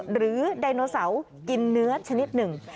ไดโนเสาร์กินเนื้อชนิดหนึ่ง